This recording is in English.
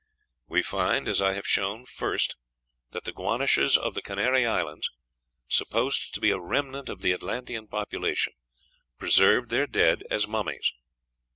We find, as I have shown: First. That the Guanches of the Canary Islands, supposed to be a remnant of the Atlantean population, preserved their dead as mummies.